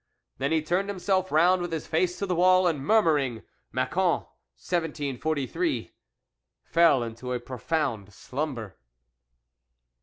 Then he turned himself round with his face to the wall, and murmuring Macon, 1743 fell into a profound slumber.